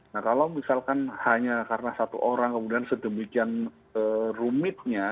nah kalau misalkan hanya karena satu orang kemudian sedemikian rumitnya